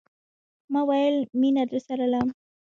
تا ویل، میینه درسره لرم